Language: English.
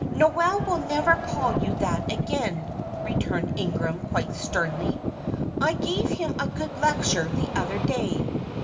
'" "Noel will never call you that again," returned Ingram, quite sternly. "I gave him a good lecture the other day.